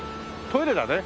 トイレだね。